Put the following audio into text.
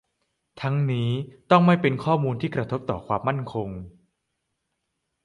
ทั้งนี้ต้องไม่เป็นข้อมูลที่กระทบต่อความมั่นคง